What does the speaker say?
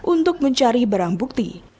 untuk mencari barang bukti